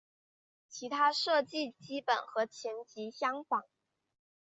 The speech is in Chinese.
其他设计基本和前级相仿。